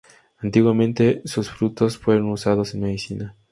Antiguamente sus frutos fueron usados en medicina.